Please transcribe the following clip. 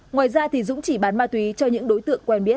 ngoài ra dũng chỉ bán ma túy cho những đối tượng quen biết